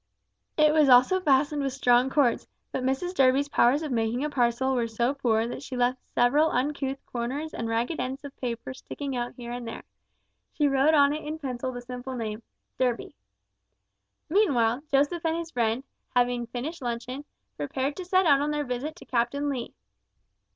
It was also fastened with strong cords, but Mrs Durby's powers of making a parcel were so poor that she left several uncouth corners and ragged ends of paper sticking out here and there. She wrote on it in pencil the simple name Durby. Meanwhile Joseph and his friend, having finished luncheon, prepared to set out on their visit to Captain Lee.